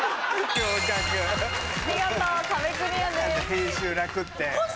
編集楽って。